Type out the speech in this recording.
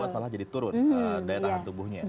apalagi turun daya tahan tubuhnya